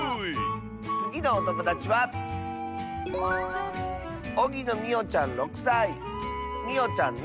つぎのおともだちはみおちゃんの。